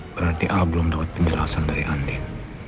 berarti al belum dapat penjelasan dari andin